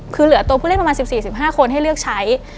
คือเหลือตัวผู้เล่นประมาณ๑๔๑๕คนให้เลือกใช้